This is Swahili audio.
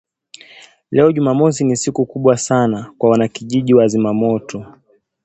Leo Jumamosi ni siku kubwa sana kwa wana kijiji wa Zimamoto